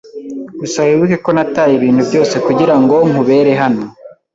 Gusa wibuke ko nataye ibintu byose kugirango nkubere hano.